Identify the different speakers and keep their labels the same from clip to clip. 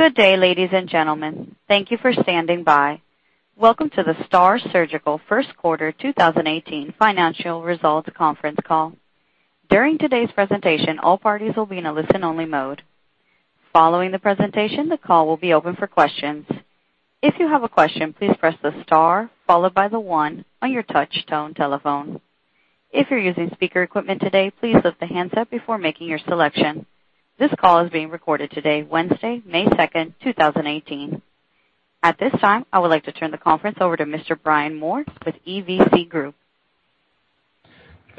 Speaker 1: Good day, ladies and gentlemen. Thank you for standing by. Welcome to the STAAR Surgical First Quarter 2018 financial results conference call. During today's presentation, all parties will be in a listen-only mode. Following the presentation, the call will be open for questions. If you have a question, please press the star followed by the one on your touch tone telephone. If you're using speaker equipment today, please lift the handset before making your selection. This call is being recorded today, Wednesday, May 2, 2018. At this time, I would like to turn the conference over to Mr. Brian Moore with EVC Group.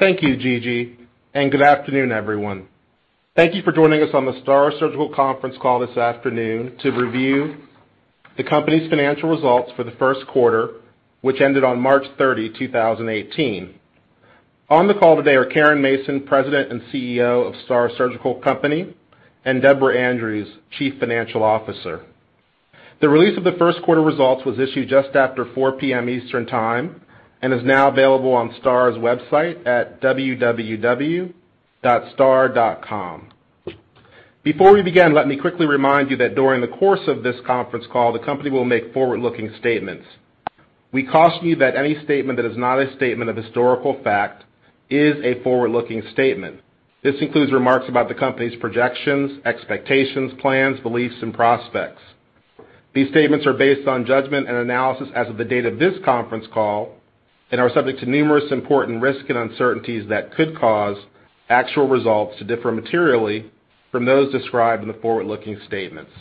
Speaker 2: Thank you, Gigi. Good afternoon, everyone. Thank you for joining us on the STAAR Surgical conference call this afternoon to review the company's financial results for the first quarter, which ended on March 30, 2018. On the call today are Caren Mason, President and CEO of STAAR Surgical Company, and Deborah Andrews, Chief Financial Officer. The release of the first quarter results was issued just after 4:00 P.M. Eastern Time and is now available on STAAR's website at www.staar.com. Before we begin, let me quickly remind you that during the course of this conference call, the company will make forward-looking statements. We caution you that any statement that is not a statement of historical fact is a forward-looking statement. This includes remarks about the company's projections, expectations, plans, beliefs, and prospects. These statements are based on judgment and analysis as of the date of this conference call and are subject to numerous important risks and uncertainties that could cause actual results to differ materially from those described in the forward-looking statements.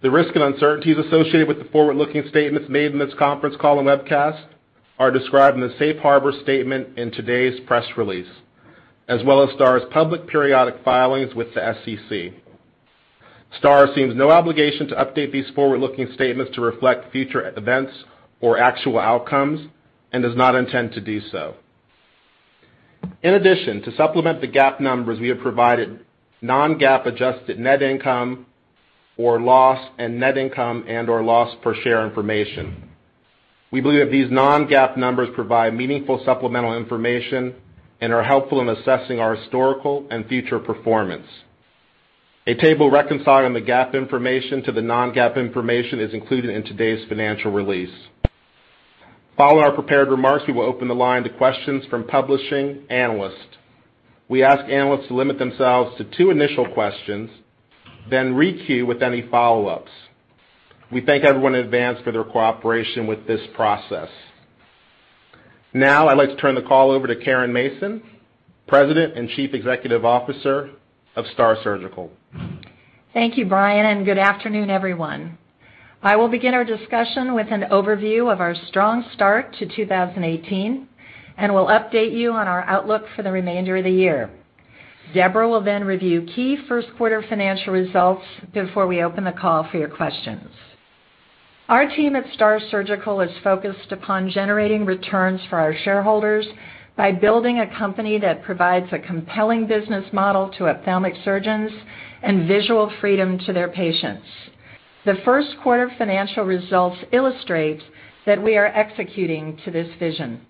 Speaker 2: The risks and uncertainties associated with the forward-looking statements made in this conference call and webcast are described in the safe harbor statement in today's press release, as well as STAAR's public periodic filings with the SEC. STAAR assumes no obligation to update these forward-looking statements to reflect future events or actual outcomes and does not intend to do so. To supplement the GAAP numbers we have provided non-GAAP adjusted net income or loss and net income and/or loss per share information. We believe that these non-GAAP numbers provide meaningful supplemental information and are helpful in assessing our historical and future performance. A table reconciling the GAAP information to the non-GAAP information is included in today's financial release. Following our prepared remarks, we will open the line to questions from publishing analysts. We ask analysts to limit themselves to two initial questions, then re-queue with any follow-ups. We thank everyone in advance for their cooperation with this process. I'd like to turn the call over to Caren Mason, President and Chief Executive Officer of STAAR Surgical.
Speaker 3: Thank you, Brian, good afternoon, everyone. I will begin our discussion with an overview of our strong start to 2018, and will update you on our outlook for the remainder of the year. Deborah will then review key first quarter financial results before we open the call for your questions. Our team at STAAR Surgical is focused upon generating returns for our shareholders by building a company that provides a compelling business model to ophthalmic surgeons and visual freedom to their patients. The first quarter financial results illustrate that we are executing to this vision.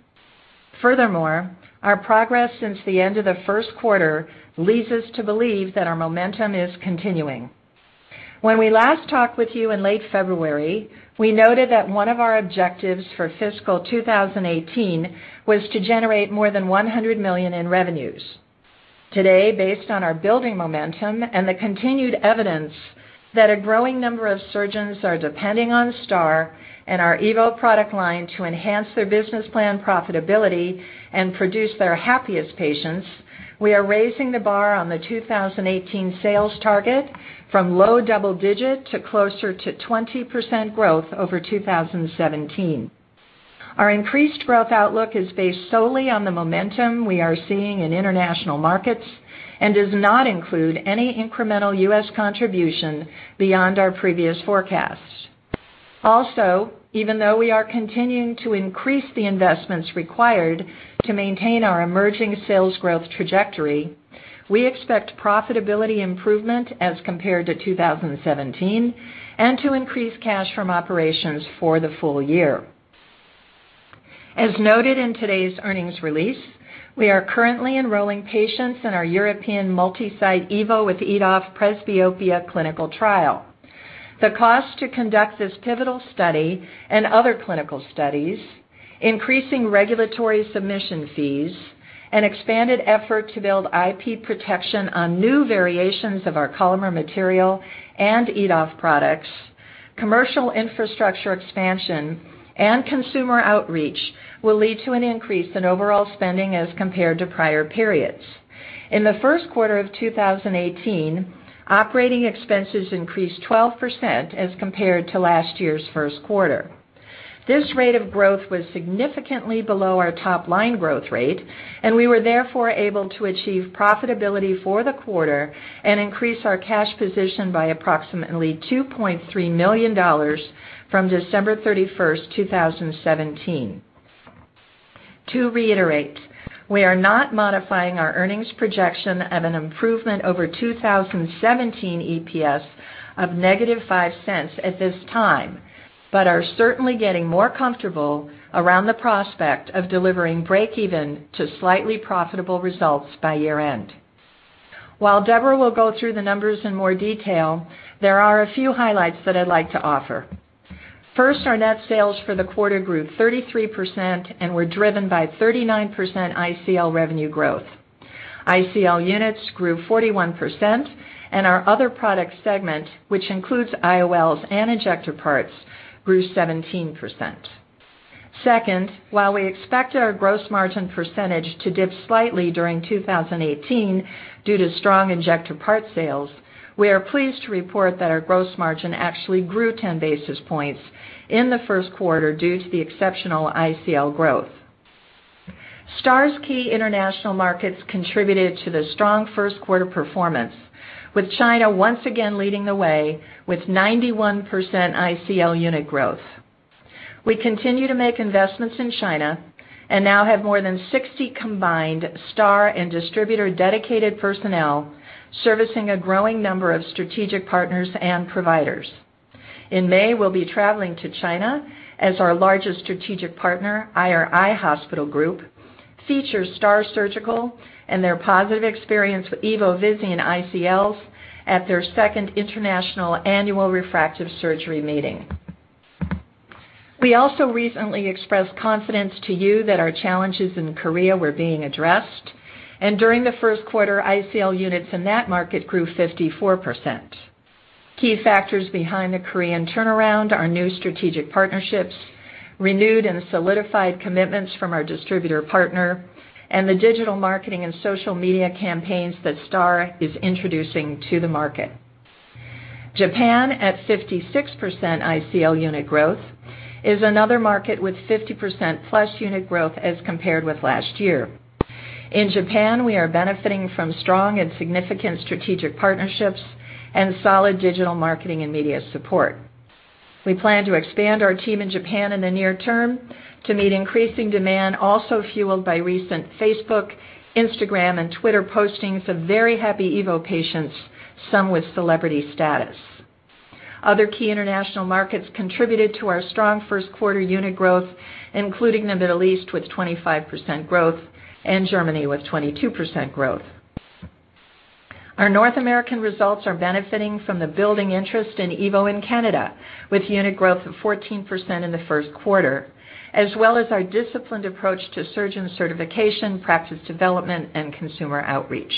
Speaker 3: Furthermore, our progress since the end of the first quarter leads us to believe that our momentum is continuing. When we last talked with you in late February, we noted that one of our objectives for fiscal 2018 was to generate more than $100 million in revenues. Today, based on our building momentum and the continued evidence that a growing number of surgeons are depending on STAAR and our EVO product line to enhance their business plan profitability and produce their happiest patients, we are raising the bar on the 2018 sales target from low double digit to closer to 20% growth over 2017. Our increased growth outlook is based solely on the momentum we are seeing in international markets and does not include any incremental U.S. contribution beyond our previous forecasts. Even though we are continuing to increase the investments required to maintain our emerging sales growth trajectory, we expect profitability improvement as compared to 2017 and to increase cash from operations for the full year. As noted in today's earnings release, we are currently enrolling patients in our European multi-site EVO with EDOF presbyopia clinical trial. The cost to conduct this pivotal study and other clinical studies, increasing regulatory submission fees, an expanded effort to build IP protection on new variations of our polymer material and EDOF products, commercial infrastructure expansion, and consumer outreach will lead to an increase in overall spending as compared to prior periods. In the first quarter of 2018, operating expenses increased 12% as compared to last year's first quarter. This rate of growth was significantly below our top-line growth rate, and we were therefore able to achieve profitability for the quarter and increase our cash position by approximately $2.3 million from December 31st, 2017. To reiterate, we are not modifying our earnings projection of an improvement over 2017 EPS of -$0.05 at this time. We are certainly getting more comfortable around the prospect of delivering break even to slightly profitable results by year-end. While Deborah will go through the numbers in more detail, there are a few highlights that I'd like to offer. First, our net sales for the quarter grew 33% and were driven by 39% ICL revenue growth. ICL units grew 41%, and our other product segment, which includes IOLs and injector parts, grew 17%. Second, while we expected our gross margin percentage to dip slightly during 2018 due to strong injector part sales, we are pleased to report that our gross margin actually grew 10 basis points in the first quarter due to the exceptional ICL growth. STAAR's key international markets contributed to the strong first quarter performance, with China once again leading the way with 91% ICL unit growth. We continue to make investments in China and now have more than 60 combined STAAR and distributor dedicated personnel servicing a growing number of strategic partners and providers. In May, we'll be traveling to China as our largest strategic partner, Aier Eye Hospital Group, features STAAR Surgical and their positive experience with EVO Visian ICLs at their second international annual refractive surgery meeting. We also recently expressed confidence to you that our challenges in Korea were being addressed. During the first quarter, ICL units in that market grew 54%. Key factors behind the Korean turnaround are new strategic partnerships, renewed and solidified commitments from our distributor partner, and the digital marketing and social media campaigns that STAAR is introducing to the market. Japan, at 56% ICL unit growth, is another market with 50% plus unit growth as compared with last year. In Japan, we are benefiting from strong and significant strategic partnerships and solid digital marketing and media support. We plan to expand our team in Japan in the near term to meet increasing demand, also fueled by recent Facebook, Instagram, and Twitter postings of very happy EVO patients, some with celebrity status. Other key international markets contributed to our strong first-quarter unit growth, including the Middle East, with 25% growth, and Germany with 22% growth. Our North American results are benefiting from the building interest in EVO in Canada, with unit growth of 14% in the first quarter, as well as our disciplined approach to surgeon certification, practice development, and consumer outreach.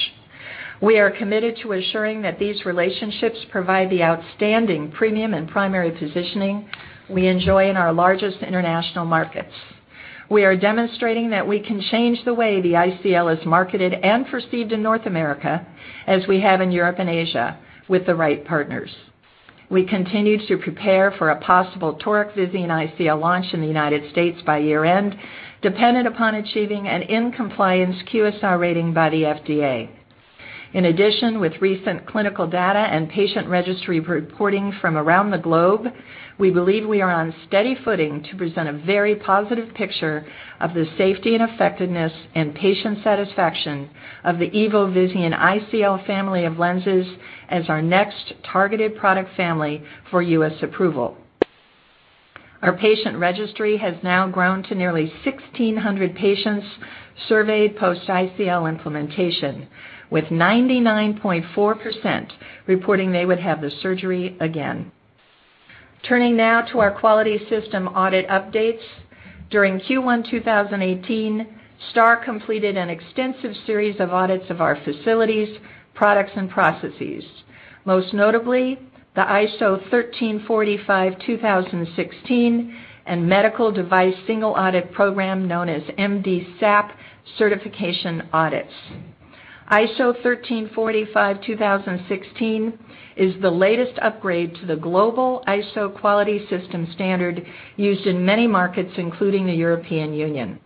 Speaker 3: We are committed to ensuring that these relationships provide the outstanding premium and primary positioning we enjoy in our largest international markets. We are demonstrating that we can change the way the ICL is marketed and perceived in North America, as we have in Europe and Asia, with the right partners. We continue to prepare for a possible Toric Visian ICL launch in the U.S. by year-end, dependent upon achieving an in-compliance QSR rating by the FDA. In addition, with recent clinical data and patient registry reporting from around the globe, we believe we are on steady footing to present a very positive picture of the safety and effectiveness and patient satisfaction of the EVO Visian ICL family of lenses as our next targeted product family for U.S. approval. Our patient registry has now grown to nearly 1,600 patients surveyed post ICL implementation, with 99.4% reporting they would have the surgery again. Turning now to our quality system audit updates. During Q1 2018, STAAR completed an extensive series of audits of our facilities, products, and processes. Most notably, the ISO 13485:2016 and Medical Device Single Audit Program known as MDSAP certification audits. ISO 13485:2016 is the latest upgrade to the global ISO quality system standard used in many markets, including the European Union.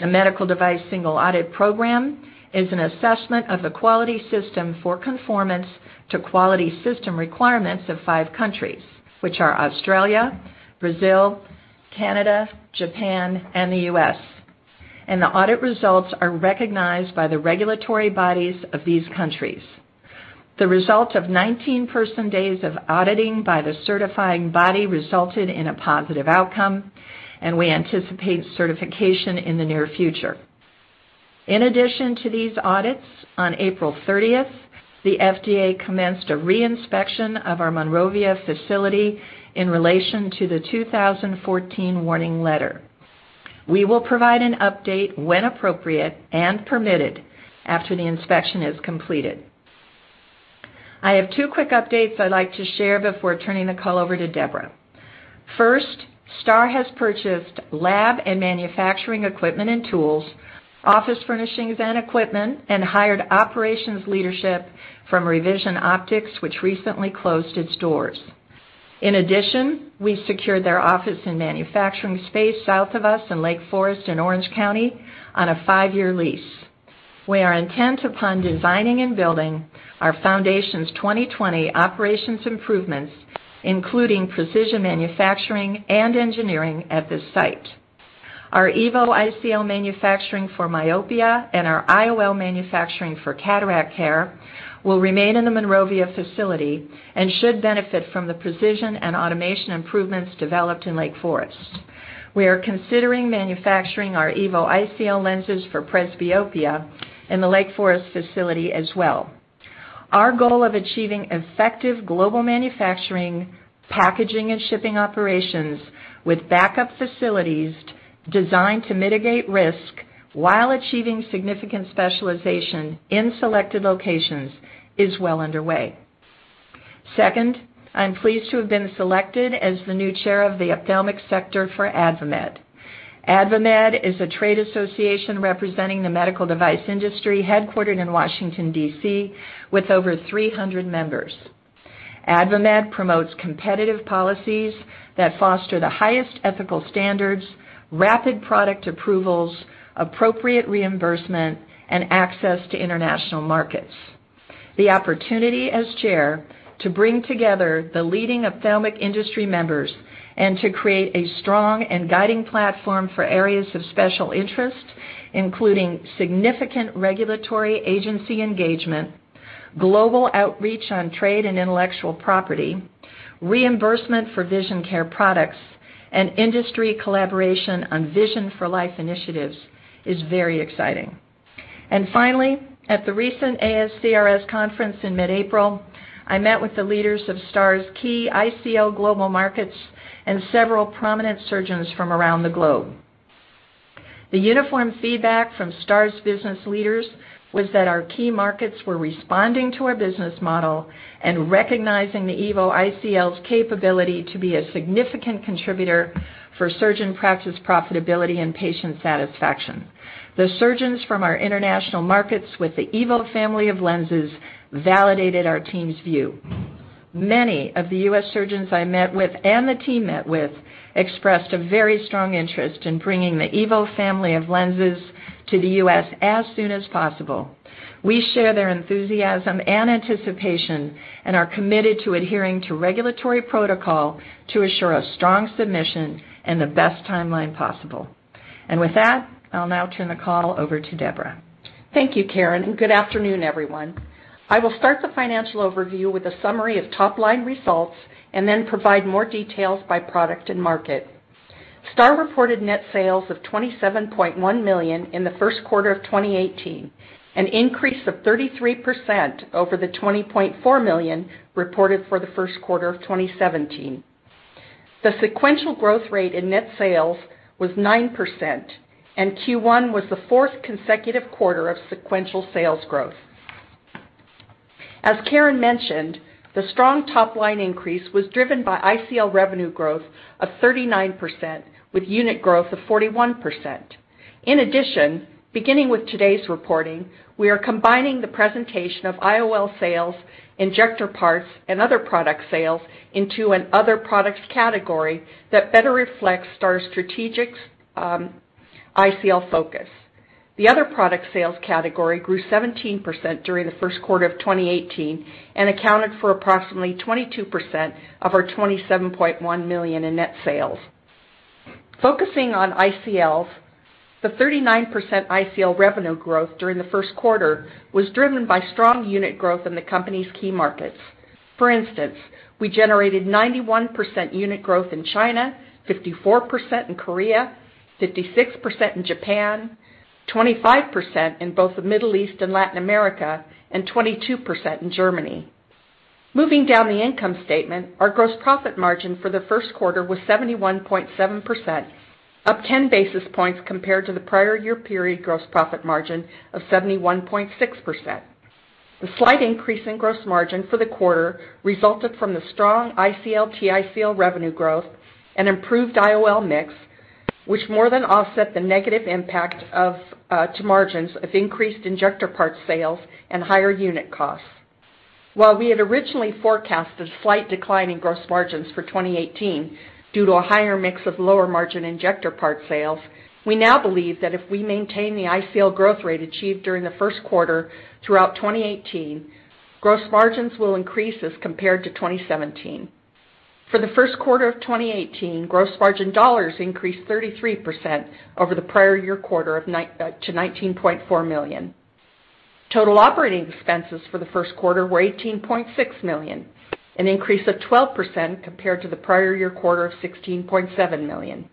Speaker 3: The Medical Device Single Audit Program is an assessment of the quality system for conformance to quality system requirements of five countries, which are Australia, Brazil, Canada, Japan, and the U.S. The audit results are recognized by the regulatory bodies of these countries. The result of 19 person days of auditing by the certifying body resulted in a positive outcome. We anticipate certification in the near future. In addition to these audits, on April 30th, the FDA commenced a re-inspection of our Monrovia facility in relation to the 2014 warning letter. We will provide an update when appropriate and permitted after the inspection is completed. I have two quick updates I'd like to share before turning the call over to Deborah. First, STAAR has purchased lab and manufacturing equipment and tools, office furnishings and equipment, and hired operations leadership from Revision Optics, which recently closed its doors. In addition, we secured their office and manufacturing space south of us in Lake Forest in Orange County on a five-year lease. We are intent upon designing and building our Foundation 2020 operations improvements, including precision manufacturing and engineering at this site. Our EVO ICL manufacturing for myopia and our IOL manufacturing for cataract care will remain in the Monrovia facility and should benefit from the precision and automation improvements developed in Lake Forest. We are considering manufacturing our EVO ICL lenses for presbyopia in the Lake Forest facility as well. Our goal of achieving effective global manufacturing, packaging, and shipping operations with backup facilities designed to mitigate risk while achieving significant specialization in selected locations is well underway. Second, I'm pleased to have been selected as the new chair of the ophthalmic sector for AdvaMed. AdvaMed is a trade association representing the medical device industry, headquartered in Washington, D.C., with over 300 members. AdvaMed promotes competitive policies that foster the highest ethical standards, rapid product approvals, appropriate reimbursement, and access to international markets. The opportunity as chair to bring together the leading ophthalmic industry members and to create a strong and guiding platform for areas of special interest, including significant regulatory agency engagement, global outreach on trade and intellectual property, reimbursement for vision care products, and industry collaboration on Vision for Life initiatives, is very exciting. Finally, at the recent ASCRS conference in mid-April, I met with the leaders of STAAR's key ICL global markets and several prominent surgeons from around the globe. The uniform feedback from STAAR's business leaders was that our key markets were responding to our business model and recognizing the EVO ICL's capability to be a significant contributor for surgeon practice profitability and patient satisfaction. The surgeons from our international markets with the EVO family of lenses validated our team's view. Many of the U.S. surgeons I met with, and the team met with, expressed a very strong interest in bringing the EVO family of lenses to the U.S. as soon as possible. We share their enthusiasm and anticipation and are committed to adhering to regulatory protocol to assure a strong submission and the best timeline possible. With that, I'll now turn the call over to Deborah.
Speaker 4: Thank you, Caren, and good afternoon, everyone. I will start the financial overview with a summary of top-line results and then provide more details by product and market. STAAR reported net sales of $27.1 million in the first quarter of 2018, an increase of 33% over the $20.4 million reported for the first quarter of 2017. The sequential growth rate in net sales was 9%, and Q1 was the fourth consecutive quarter of sequential sales growth. As Caren mentioned, the strong top-line increase was driven by ICL revenue growth of 39%, with unit growth of 41%. In addition, beginning with today's reporting, we are combining the presentation of IOL sales, injector parts, and other product sales into an other products category that better reflects STAAR's strategic ICL focus. The other product sales category grew 17% during the first quarter of 2018 and accounted for approximately 22% of our $27.1 million in net sales. Focusing on ICLs, the 39% ICL revenue growth during the first quarter was driven by strong unit growth in the company's key markets. For instance, we generated 91% unit growth in China, 54% in Korea, 56% in Japan, 25% in both the Middle East and Latin America, and 22% in Germany. Moving down the income statement, our gross profit margin for the first quarter was 71.7%, up 10 basis points compared to the prior year period gross profit margin of 71.6%. The slight increase in gross margin for the quarter resulted from the strong ICL/TICL revenue growth and improved IOL mix, which more than offset the negative impact to margins of increased injector part sales and higher unit costs. While we had originally forecasted slight decline in gross margins for 2018 due to a higher mix of lower margin injector part sales, we now believe that if we maintain the ICL growth rate achieved during the first quarter throughout 2018, gross margins will increase as compared to 2017. For the first quarter of 2018, gross margin dollars increased 33% over the prior year quarter to $19.4 million. Total operating expenses for the first quarter were $18.6 million, an increase of 12% compared to the prior year quarter of $16.7 million.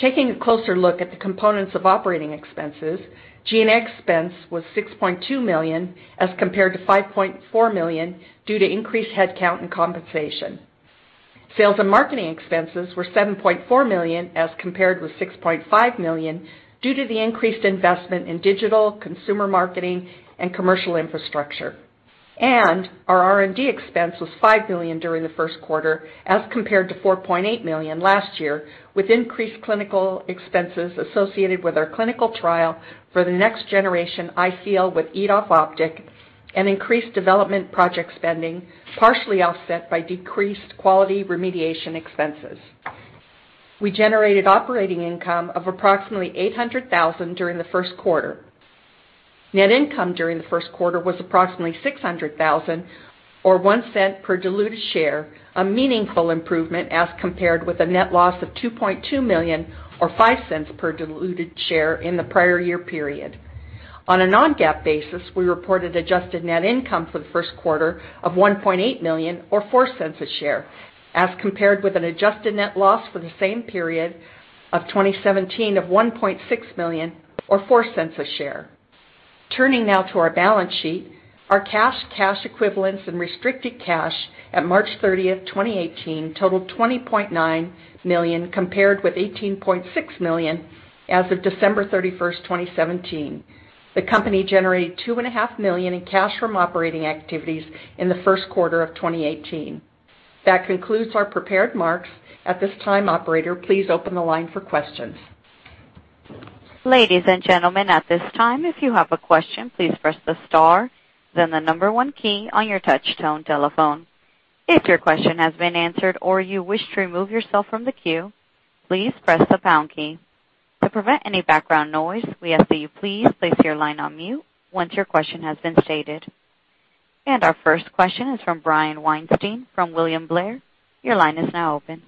Speaker 4: Taking a closer look at the components of operating expenses, G&A expense was $6.2 million as compared to $5.4 million due to increased headcount and compensation. Sales and marketing expenses were $7.4 million, as compared with $6.5 million, due to the increased investment in digital, consumer marketing, and commercial infrastructure. Our R&D expense was $5 million during the first quarter as compared to $4.8 million last year, with increased clinical expenses associated with our clinical trial for the next generation ICL with EDOF Optic and increased development project spending, partially offset by decreased quality remediation expenses. We generated operating income of approximately $800,000 during the first quarter. Net income during the first quarter was approximately $600,000 or $0.01 per diluted share, a meaningful improvement as compared with a net loss of $2.2 million or $0.05 per diluted share in the prior year period. On a non-GAAP basis, we reported adjusted net income for the first quarter of $1.8 million or $0.04 a share, as compared with an adjusted net loss for the same period of 2017 of $1.6 million or $0.04 a share. Turning now to our balance sheet, our cash equivalents, and restricted cash at March 30th, 2018 totaled $20.9 million, compared with $18.6 million as of December 31st, 2017. The company generated $two and a half million in cash from operating activities in the first quarter of 2018. That concludes our prepared remarks. At this time, operator, please open the line for questions.
Speaker 1: Ladies and gentlemen, at this time, if you have a question, please press the star, then the number 1 key on your touch-tone telephone. If your question has been answered or you wish to remove yourself from the queue, please press the pound key. To prevent any background noise, we ask that you please place your line on mute once your question has been stated. Our first question is from Brian Weinstein from William Blair. Your line is now open.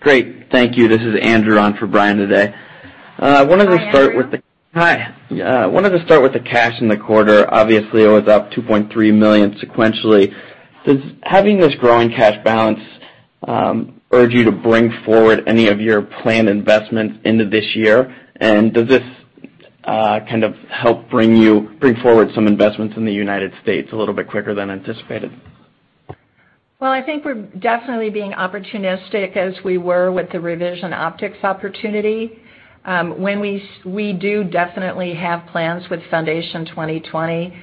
Speaker 5: Great. Thank you. This is Andrew on for Brian today.
Speaker 3: Hi, Andrew.
Speaker 5: Hi. Wanted to start with the cash in the quarter. Obviously, it was up $2.3 million sequentially. Does having this growing cash balance urge you to bring forward any of your planned investments into this year? Does this kind of help bring forward some investments in the U.S. a little bit quicker than anticipated?
Speaker 3: I think we're definitely being opportunistic as we were with the Revision Optics opportunity. We do definitely have plans with Foundation 2020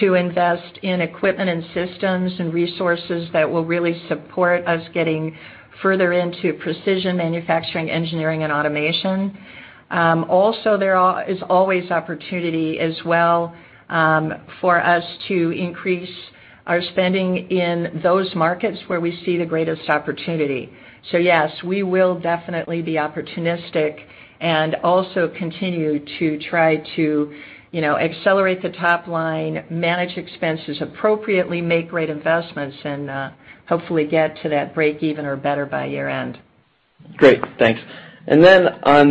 Speaker 3: to invest in equipment and systems and resources that will really support us getting further into precision manufacturing, engineering, and automation. There is always opportunity as well for us to increase our spending in those markets where we see the greatest opportunity. Yes, we will definitely be opportunistic and also continue to try to accelerate the top line, manage expenses appropriately, make great investments, and hopefully get to that break even or better by year-end.
Speaker 5: Great. Thanks. On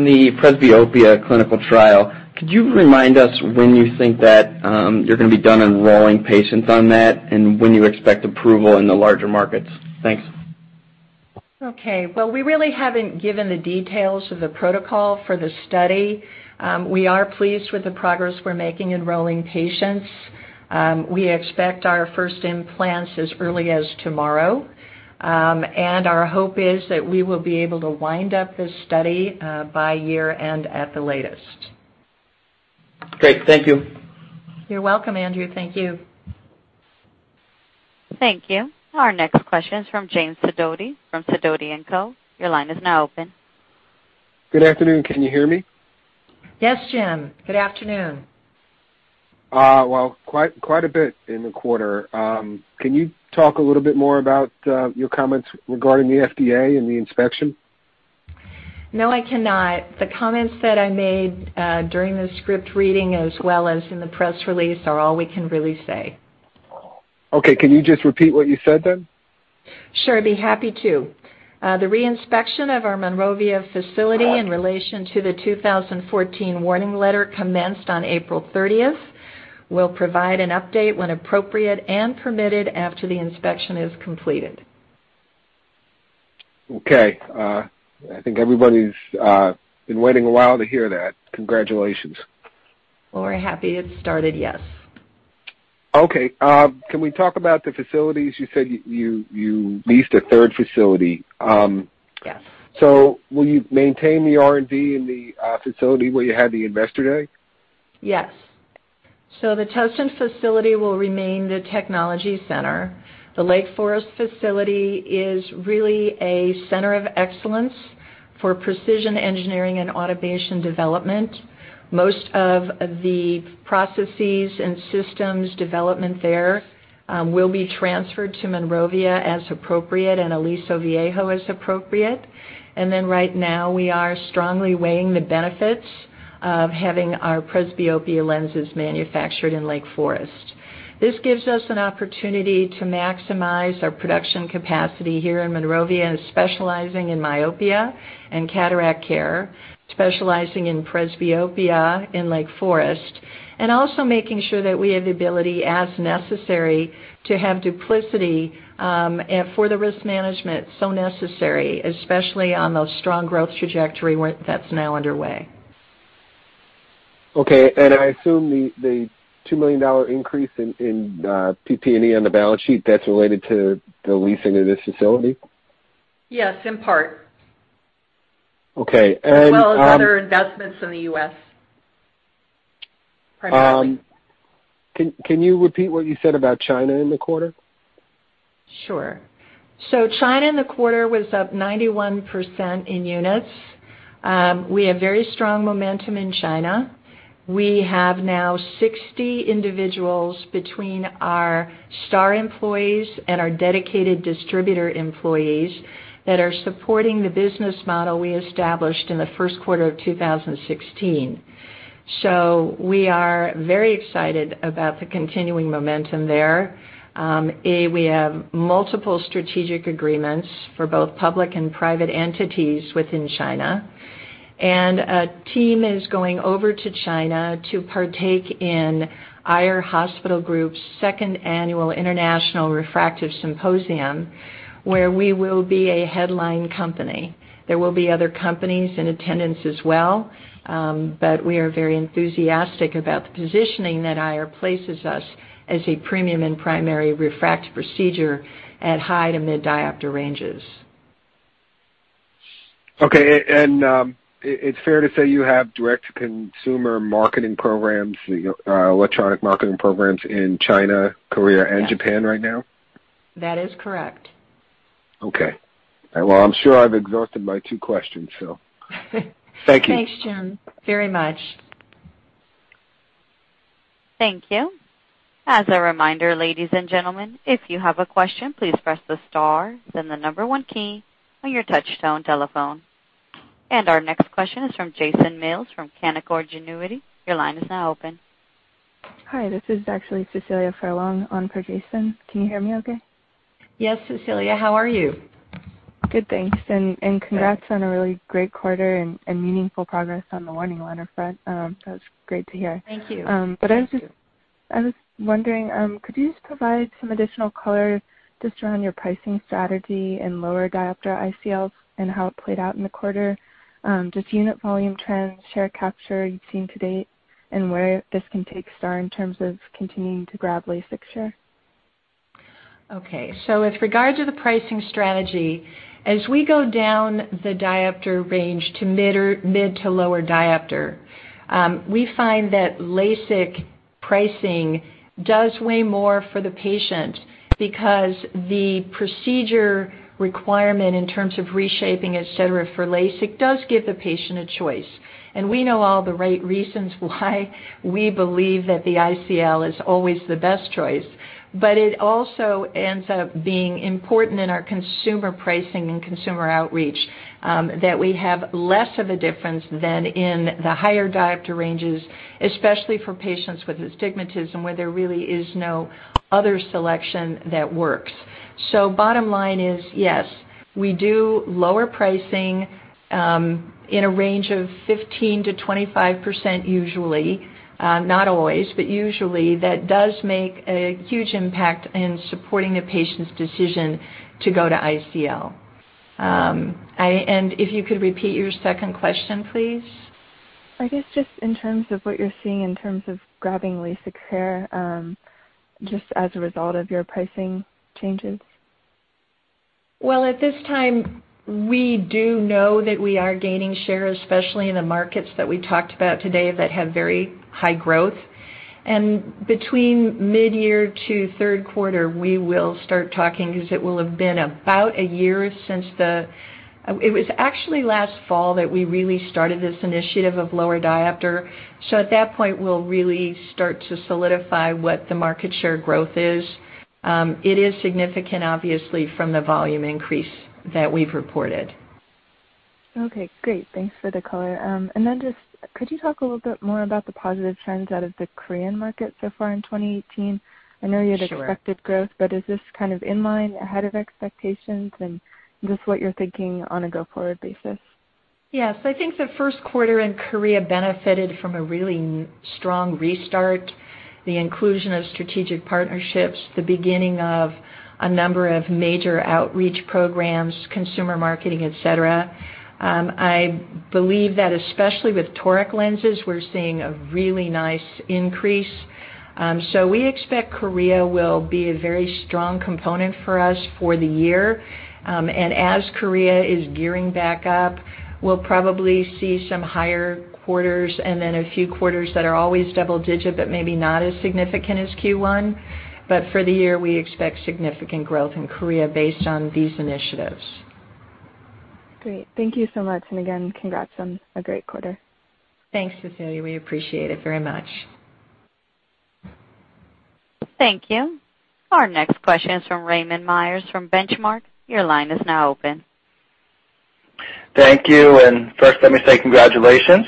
Speaker 5: the presbyopia clinical trial, could you remind us when you think that you're going to be done enrolling patients on that and when you expect approval in the larger markets? Thanks.
Speaker 3: We really haven't given the details of the protocol for the study. We are pleased with the progress we're making enrolling patients. We expect our first implants as early as tomorrow. Our hope is that we will be able to wind up this study by year-end at the latest.
Speaker 5: Great. Thank you.
Speaker 3: You're welcome, Andrew. Thank you.
Speaker 1: Thank you. Our next question is from James Sidoti from Sidoti & Co. Your line is now open.
Speaker 6: Good afternoon. Can you hear me?
Speaker 3: Yes, Jim. Good afternoon.
Speaker 6: Well, quite a bit in the quarter. Can you talk a little bit more about your comments regarding the FDA and the inspection?
Speaker 3: No, I cannot. The comments that I made during the script reading as well as in the press release are all we can really say.
Speaker 6: Okay. Can you just repeat what you said then?
Speaker 3: Sure, I'd be happy to. The re-inspection of our Monrovia facility in relation to the 2014 warning letter commenced on April 30th. We'll provide an update when appropriate and permitted after the inspection is completed.
Speaker 6: I think everybody's been waiting a while to hear that. Congratulations.
Speaker 3: Well, we're happy it started, yes.
Speaker 6: Can we talk about the facilities? You said you leased a third facility.
Speaker 3: Yes.
Speaker 6: Will you maintain the R&D in the facility where you had the investor day?
Speaker 3: Yes. The Tustin facility will remain the technology center. The Lake Forest facility is really a center of excellence for precision engineering and automation development. Most of the processes and systems development there will be transferred to Monrovia as appropriate and Aliso Viejo as appropriate, then right now we are strongly weighing the benefits of having our presbyopia lenses manufactured in Lake Forest. This gives us an opportunity to maximize our production capacity here in Monrovia and specializing in myopia and cataract care, specializing in presbyopia in Lake Forest, and also making sure that we have the ability as necessary to have duplicity for the risk management so necessary, especially on the strong growth trajectory that's now underway.
Speaker 6: Okay. I assume the $2 million increase in PP&E on the balance sheet, that's related to the leasing of this facility?
Speaker 3: Yes, in part.
Speaker 6: Okay.
Speaker 3: As well as other investments in the U.S. primarily.
Speaker 6: Can you repeat what you said about China in the quarter?
Speaker 3: Sure. China in the quarter was up 91% in units. We have very strong momentum in China. We have now 60 individuals between our STAAR employees and our dedicated distributor employees that are supporting the business model we established in the first quarter of 2016. We are very excited about the continuing momentum there. We have multiple strategic agreements for both public and private entities within China. A team is going over to China to partake in Aier Eye Hospital Group's second annual International Refractive Symposium, where we will be a headline company. There will be other companies in attendance as well, but we are very enthusiastic about the positioning that Aier places us as a premium and primary refractive procedure at high- to mid-diopter ranges.
Speaker 6: Okay. It's fair to say you have direct-to-consumer marketing programs, electronic marketing programs in China, Korea, and Japan right now?
Speaker 3: That is correct.
Speaker 6: Okay. Well, I'm sure I've exhausted my two questions. Thank you.
Speaker 3: Thanks, Jim, very much.
Speaker 1: Thank you. As a reminder, ladies and gentlemen, if you have a question, please press the star, then the number one key on your touchtone telephone. Our next question is from Jason Mills from Canaccord Genuity. Your line is now open.
Speaker 7: Hi, this is actually Cecilia Furlong on for Jason. Can you hear me okay?
Speaker 3: Yes, Cecilia, how are you?
Speaker 7: Good, thanks. Congrats on a really great quarter and meaningful progress on the warning letter front. That was great to hear.
Speaker 3: Thank you.
Speaker 7: I was wondering, could you just provide some additional color just around your pricing strategy and lower diopter ICL and how it played out in the quarter? Just unit volume trends, share capture you've seen to date, and where this can take STAAR in terms of continuing to grab LASIK share.
Speaker 3: Okay. With regard to the pricing strategy, as we go down the diopter range to mid to lower diopter, we find that LASIK pricing does weigh more for the patient because the procedure requirement in terms of reshaping, et cetera, for LASIK does give the patient a choice. We know all the right reasons why we believe that the ICL is always the best choice. It also ends up being important in our consumer pricing and consumer outreach, that we have less of a difference than in the higher diopter ranges, especially for patients with astigmatism, where there really is no other selection that works. Bottom line is, yes, we do lower pricing in a range of 15%-25% usually, not always, but usually that does make a huge impact in supporting a patient's decision to go to ICL. If you could repeat your second question, please.
Speaker 7: I guess just in terms of what you're seeing in terms of grabbing LASIK share, just as a result of your pricing changes.
Speaker 3: Well, at this time, we do know that we are gaining share, especially in the markets that we talked about today that have very high growth. Between mid-year to third quarter, we will start talking because it will have been about a year since it was actually last fall that we really started this initiative of lower diopter. At that point, we'll really start to solidify what the market share growth is. It is significant, obviously, from the volume increase that we've reported.
Speaker 7: Okay, great. Thanks for the color. Just could you talk a little bit more about the positive trends out of the Korean market so far in 2018?
Speaker 3: Sure.
Speaker 7: I know you had expected growth, but is this kind of in line, ahead of expectations? Just what you're thinking on a go-forward basis.
Speaker 3: Yes. I think the first quarter in Korea benefited from a really strong restart, the inclusion of strategic partnerships, the beginning of a number of major outreach programs, consumer marketing, et cetera. I believe that especially with Toric lenses, we're seeing a really nice increase. We expect Korea will be a very strong component for us for the year. As Korea is gearing back up, we'll probably see some higher quarters and then a few quarters that are always double digit, but maybe not as significant as Q1. For the year, we expect significant growth in Korea based on these initiatives.
Speaker 7: Great. Thank you so much. Again, congrats on a great quarter.
Speaker 3: Thanks, Cecilia. We appreciate it very much.
Speaker 1: Thank you. Our next question is from Raymond Myers from Benchmark. Your line is now open.
Speaker 8: Thank you. First let me say congratulations.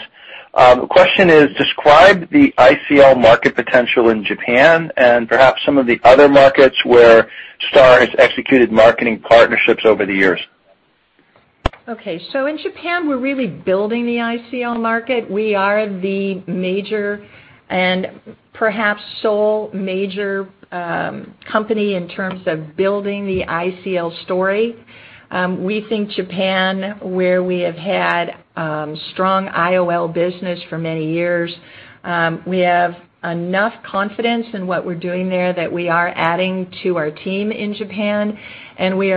Speaker 8: Question is, describe the ICL market potential in Japan and perhaps some of the other markets where STAAR has executed marketing partnerships over the years.
Speaker 3: Okay. In Japan, we're really building the ICL market. We are the major and perhaps sole major company in terms of building the ICL story. We think Japan, where we have had strong IOL business for many years, we have enough confidence in what we are doing there that we are adding to our team in Japan, and we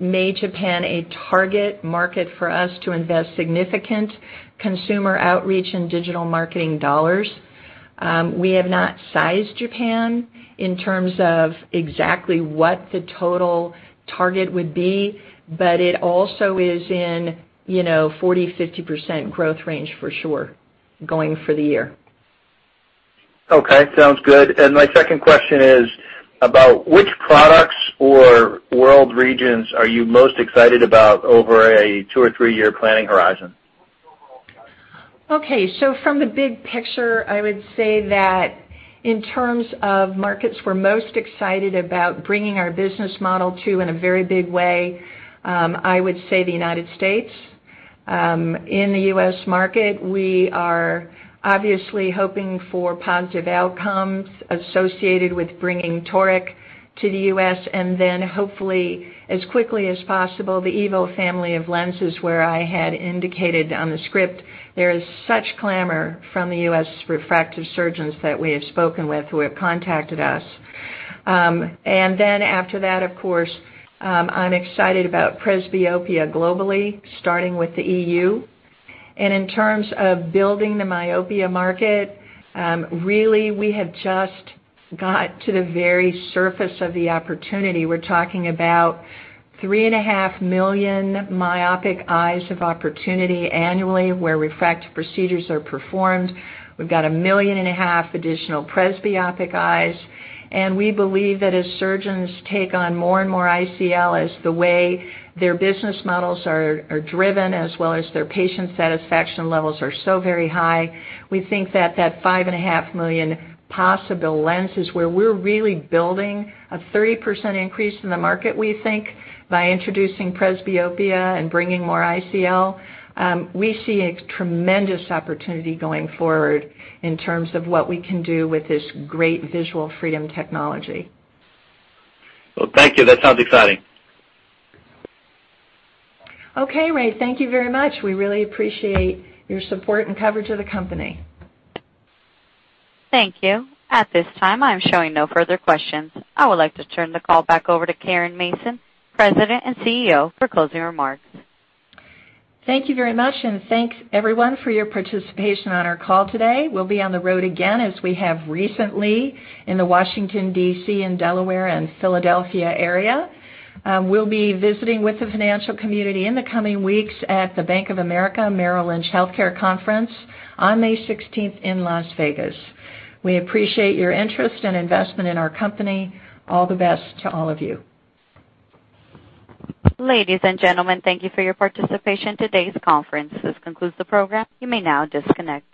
Speaker 3: made Japan a target market for us to invest significant consumer outreach and digital marketing dollars. We have not sized Japan in terms of exactly what the total target would be, but it also is in 40%-50% growth range for sure going for the year.
Speaker 8: Okay, sounds good. My second question is about which products or world regions are you most excited about over a two or three-year planning horizon?
Speaker 3: Okay. From the big picture, I would say that in terms of markets we're most excited about bringing our business model to in a very big way, I would say the U.S. In the U.S. market, we are obviously hoping for positive outcomes associated with bringing Toric to the U.S. and then hopefully as quickly as possible, the EVO family of lenses, where I had indicated on the script, there is such clamor from the U.S. refractive surgeons that we have spoken with who have contacted us. After that, of course, I'm excited about presbyopia globally, starting with the EU. In terms of building the myopia market, really, we have just got to the very surface of the opportunity. We're talking about three and a half million myopic eyes of opportunity annually where refractive procedures are performed. We've got a million and a half additional presbyopic eyes. We believe that as surgeons take on more and more ICL as the way their business models are driven as well as their patient satisfaction levels are so very high, we think that that five and a half million possible lenses where we're really building a 30% increase in the market, we think, by introducing presbyopia and bringing more ICL. We see a tremendous opportunity going forward in terms of what we can do with this great visual freedom technology.
Speaker 8: Well, thank you. That sounds exciting.
Speaker 3: Okay, Ray. Thank you very much. We really appreciate your support and coverage of the company.
Speaker 1: Thank you. At this time, I'm showing no further questions. I would like to turn the call back over to Caren Mason, President and CEO, for closing remarks.
Speaker 3: Thank you very much, thanks everyone for your participation on our call today. We'll be on the road again, as we have recently in the Washington D.C. and Delaware and Philadelphia area. We'll be visiting with the financial community in the coming weeks at the Bank of America Merrill Lynch Healthcare Conference on May 16th in Las Vegas. We appreciate your interest and investment in our company. All the best to all of you.
Speaker 1: Ladies and gentlemen, thank you for your participation in today's conference. This concludes the program. You may now disconnect.